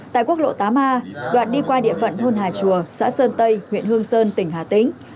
tại quốc lộ tám a đoạn đi qua địa phận thôn hà chùa xã sơn tây huyện hương sơn tỉnh hà tĩnh